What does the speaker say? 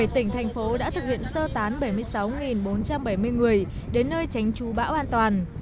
bảy tỉnh thành phố đã thực hiện sơ tán bảy mươi sáu bốn trăm bảy mươi người đến nơi tránh trú bão an toàn